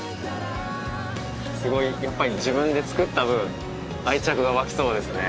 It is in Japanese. すごいやっぱり自分で作った分愛着が湧きそうですね